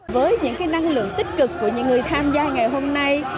với những năng lượng tích cực của những người tham gia ngày hôm nay